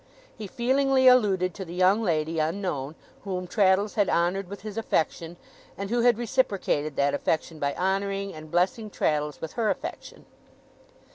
He feelingly alluded to the young lady, unknown, whom Traddles had honoured with his affection, and who had reciprocated that affection by honouring and blessing Traddles with her affection.